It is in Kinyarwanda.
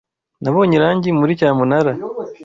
Nabonye irangi muri cyamunara.